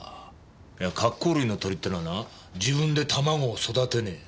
カッコウ類の鳥ってのはな自分で卵を育てねえ。